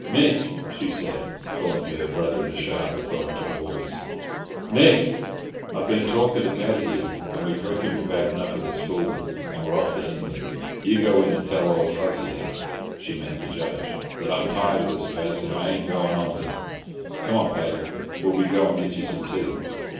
"Mick!" she said, calling to her brother in a sharp, authoritative voice: "Mick! I've been talking to Paddy here, and we've reckoned we've had enough of this fooling, and we're off to England. You go in and tell old Fuzzy Head" (she meant the Judge) "that I'm tired of this case, and I ain't goin' on wid it. Come on, Paddy, will we go and get some tea?"